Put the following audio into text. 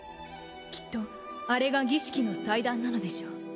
きっとあれが儀式の祭壇なのでしょう。